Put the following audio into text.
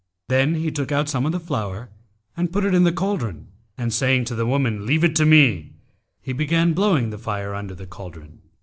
Then he took out some of the flour and put it in the cauldron; and, saying to the woman, 'Leave it to me,' he began blowing the fire under the cauldron.